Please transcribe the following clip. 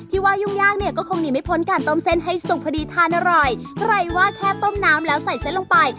ว่ายุ่งยากเนี่ยก็คงหนีไม่พ้นการต้มเส้นให้สุกพอดีทานอร่อยใครว่าแค่ต้มน้ำแล้วใส่เส้นลงไป